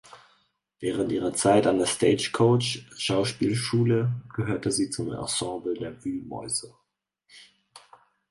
Während ihrer Zeit an der Stagecoach Schauspielschule gehörte sie zum Ensemble der Wühlmäuse.